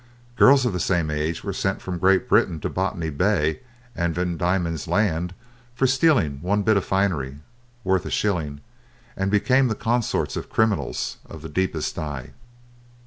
Girls of the same age were sent from Great Britain to Botany Bay and Van Diemen's Land for stealing one bit of finery, worth a shilling, and became the consorts of criminals of the deepest dye.